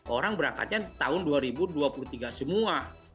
orang berangkatnya tahun dua ribu dua puluh tiga semua